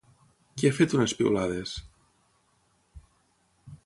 Qui ha fet unes piulades?